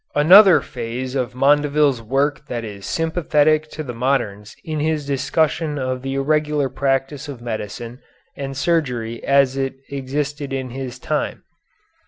Another phase of Mondeville's work that is sympathetic to the moderns is his discussion of the irregular practice of medicine and surgery as it existed in his time.